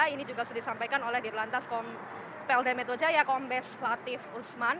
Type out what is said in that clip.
ini juga sudah disampaikan oleh dirlantas polda metro jaya kombes latif usman